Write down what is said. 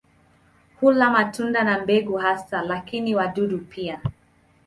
Hula matunda na mbegu hasa, lakini wadudu pia.